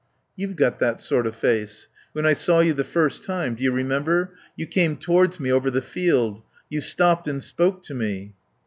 "... You've got that sort of face. When I saw you the first time Do you remember? You came towards me over the field. You stopped and spoke to me."